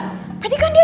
tadi kan dia ada di sini